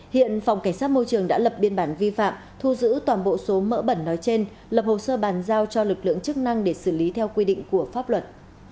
hiện phòng cảnh sát môi trường đã lập biên bản vi phạm thu giữ toàn bộ số mỡ bẩn nói trên lập hồ sơ bàn giao cho lực lượng chức năng để xử lý theo quy định của pháp luật